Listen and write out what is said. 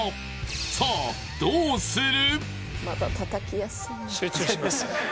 さあどうする！？